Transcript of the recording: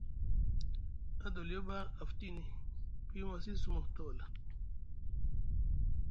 Adoliyo ɓa a futini piyumu asih sumu tawala.